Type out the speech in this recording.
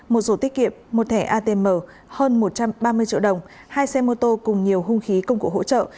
một sổ tiết kiệm một thẻ atm hơn một trăm ba mươi triệu đồng hai xe mô tô cùng nhiều hung khí công cụ hỗ trợ